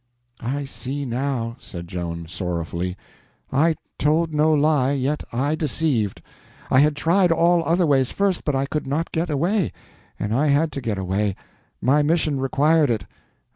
"I see now," said Joan, sorrowfully. "I told no lie, yet I deceived. I had tried all other ways first, but I could not get away, and I had to get away. My mission required it.